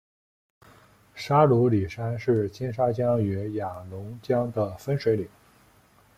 沙鲁里山是金沙江与雅砻江的分水岭。